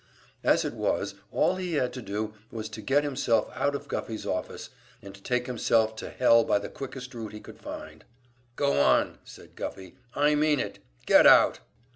As it was, all he had to do was to get himself out of Guffey's office, and take himself to hell by the quickest route he could find. "Go on!" said Guffey. "I mean it, get out!"